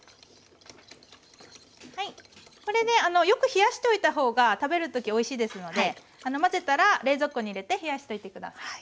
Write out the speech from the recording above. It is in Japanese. はいこれでよく冷やしておいた方が食べる時おいしいですので混ぜたら冷蔵庫に入れて冷やしておいて下さい。